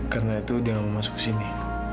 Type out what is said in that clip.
karena itu dia nggak mau masuk sini